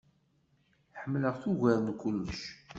Ḥemleɣ-t ugar n kullec.